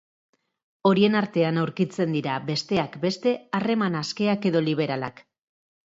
Horien artean aurkitzen dira, besteak beste, harreman askeak edo liberalak.